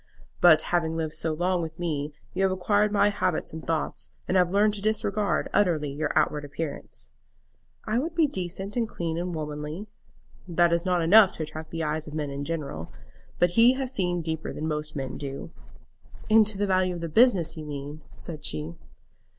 "But having lived so long with me you have acquired my habits and thoughts, and have learned to disregard utterly your outward appearance." "I would be decent and clean and womanly." "That is not enough to attract the eyes of men in general. But he has seen deeper than most men do." "Into the value of the business, you mean?" said she.